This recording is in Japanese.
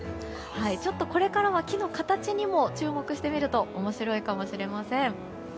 ちょっとこれからは木の形にも注目してみると面白いかもしれません。